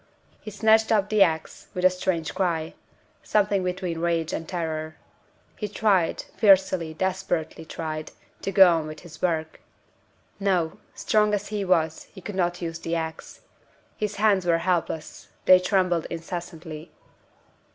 He snatched up the ax, with a strange cry something between rage and terror. He tried fiercely, desperately tried to go on with his work. No! strong as he was, he could not use the ax. His hands were helpless; they trembled incessantly.